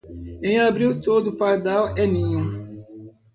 Em abril, todo pardal é ninho.